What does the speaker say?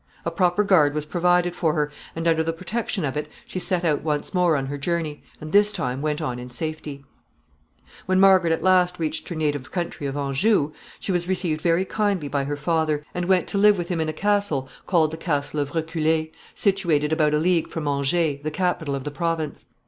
A proper guard was provided for her, and under the protection of it she set out once more on her journey, and this time went on in safety. [Sidenote: Margaret arrives in Anjou.] [Sidenote: Her father.] When Margaret at last reached her native country of Anjou, she was received very kindly by her father, and went to live with him in a castle called the castle of Reculée, situated about a league from Angers, the capital of the province.